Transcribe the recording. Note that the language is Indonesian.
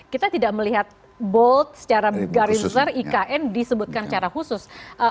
kita tidak melihat bold secara garis besar ikn disebutkan secara khusus